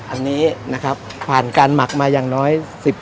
อันนี้นะครับผ่านการหมักมาอย่างน้อย๑๐